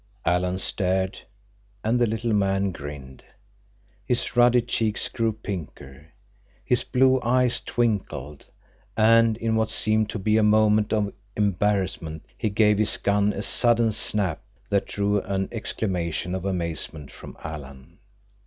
Alan stared, and the little man grinned. His ruddy cheeks grew pinker. His blue eyes twinkled, and in what seemed to be a moment of embarrassment he gave his gun a sudden snap that drew an exclamation of amazement from Alan.